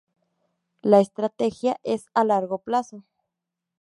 La estrategia es a largo plazo.